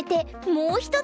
もう１つ。